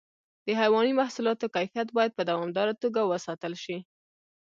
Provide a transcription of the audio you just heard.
د حیواني محصولاتو کیفیت باید په دوامداره توګه وساتل شي.